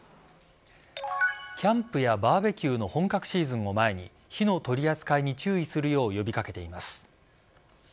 キャンプやバーベキューの本格シーズンを前に火の取り扱いに注意するよう呼び掛けています。